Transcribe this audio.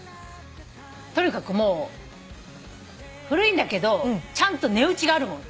とにかくもう古いんだけどちゃんと値打ちがある物。